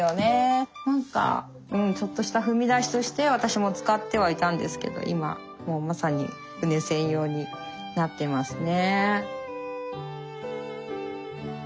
何かちょっとした踏み台として私も使ってはいたんですけど今もうまさに羽根専用になってますね。